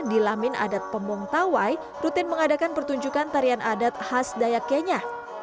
di lamin adat pembong tawai rutin mengadakan pertunjukan tarian adat khas dayak kenya